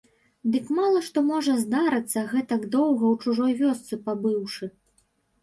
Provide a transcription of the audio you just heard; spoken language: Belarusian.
Дык мала што можа здарыцца, гэтак доўга ў чужой вёсцы пабыўшы.